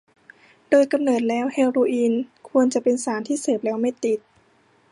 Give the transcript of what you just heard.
โดยกำเนิดแล้วเฮโรอีนควรจะเป็นสารที่เสพแล้วไม่ติด